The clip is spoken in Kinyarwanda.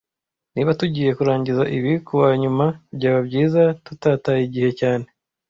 Niba tugiye kurangiza ibi kuwa nyuma, byaba byiza tutataye igihe cyane